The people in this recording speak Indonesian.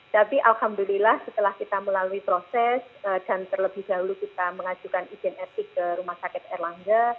tapi alhamdulillah setelah kita melalui proses dan terlebih dahulu kita mengajukan izin etik ke rumah sakit erlangga